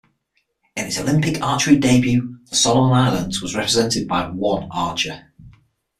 In its Olympic archery debut, the Solomon Islands was represented by one archer.